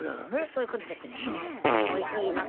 そういうことですね。ぐらいの。